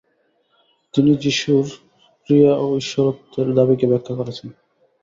তিনি যিশুর ক্রিয়া ও ঈশ্বরত্বের দাবীকে ব্যাখ্যা করেছেন।